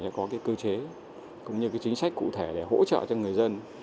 để có cơ chế cũng như chính sách cụ thể để hỗ trợ cho người dân